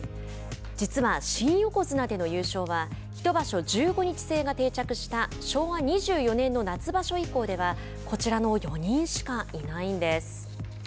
実は新横綱での優勝は一場所１５日制が定着した昭和２４年の夏場所以降ではこちらの４人しかいないんです。